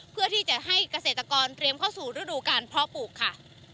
เพื่อที่จะให้เกษตรกรเตรียมเข้าสู่ฤดูการเพาะปลูกค่ะ